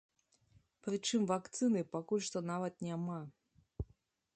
Прычым вакцыны пакуль што нават няма!